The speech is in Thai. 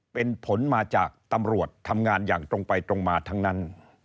เป็นผลมาจากตำรวจทำงานอย่างตรงไปตรงมาทั้งนั้น